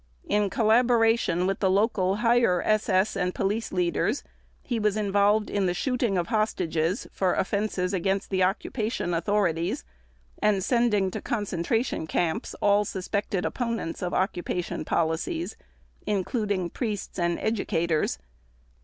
In collaboration with the local Higher SS and Police Leaders he was involved in the shooting of hostages for offenses against the occupation authorities and sending to concentration camps all suspected opponents of occupation policies including priests and educators.